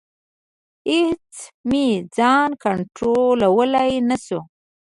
اېڅ مې ځان کنټرولولی نشو.